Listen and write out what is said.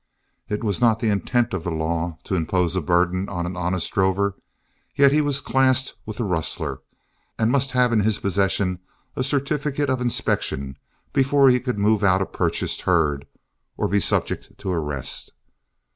It was not the intent of the law to impose a burden on an honest drover. Yet he was classed with the rustler, and must have in his possession a certificate of inspection before he could move out a purchased herd, or be subject to arrest.